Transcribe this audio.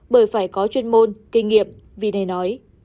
bởi phải có chuyên môn kinh nghiệm vì này nói